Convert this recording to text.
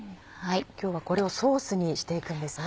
今日はこれをソースにして行んですね。